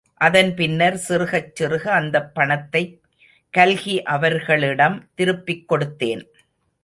அதன் பின்னர் சிறுகச்சிறுக அந்தப் பணத்தை கல்கி அவர்களிடம் திருப்பிக் கொடுத்தேன்.